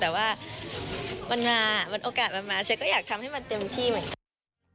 แต่ว่ามันมามันโอกาสมันมาเชฟก็อยากทำให้มันเต็มที่เหมือนกัน